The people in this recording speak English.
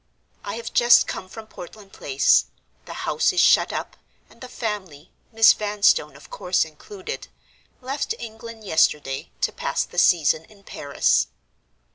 I have just come from Portland Place. The house is shut up, and the family (Miss Vanstone, of course, included) left England yesterday, to pass the season in Paris.